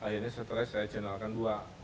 akhirnya stress saya jenalkan dua